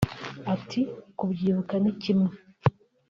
Ati “Kubyibuka ni kimwe